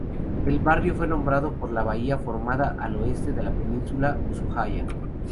El barrio fue nombrado por la bahía formada al oeste de la península Ushuaia.